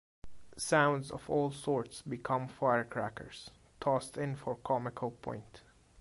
Sounds of all sorts become firecrackers, tossed in for comical point.